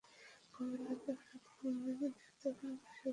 গভীর রাতে হঠাৎ ঘুম ভেঙে দেখতে পান পাশের ঘরে আগুন লেগেছে।